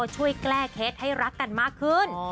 ช่วยแก้เคล็ดให้รักกันมากขึ้น